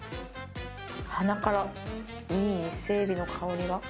鼻からいい伊勢エビの香りが。